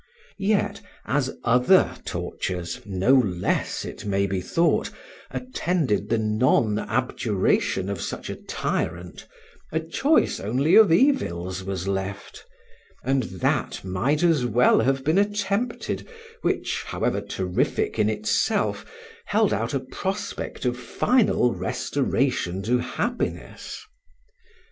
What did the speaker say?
Yet, as other tortures, no less it may be thought, attended the non abjuration of such a tyrant, a choice only of evils was left; and that might as well have been adopted which, however terrific in itself, held out a prospect of final restoration to happiness.